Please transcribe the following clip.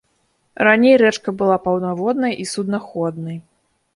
Раней рэчка была паўнаводнай і суднаходнай.